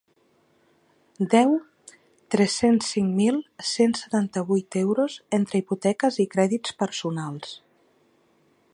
Deu tres-cents cinc mil cent setanta-vuit euros entre hipoteques i crèdits personals.